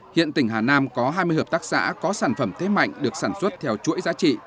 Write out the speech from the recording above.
hiện tỉnh hà nam có hai mươi hợp tác xã có sản phẩm thế mạnh được sản xuất theo chuỗi giá trị